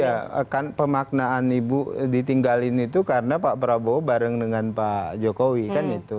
ya kan pemaknaan ibu ditinggalin itu karena pak prabowo bareng dengan pak jokowi kan itu